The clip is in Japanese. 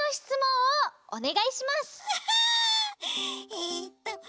えっと